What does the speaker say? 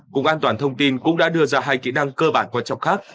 cục an toàn thông tin cũng đã đưa ra hai kỹ năng cơ bản quan trọng khác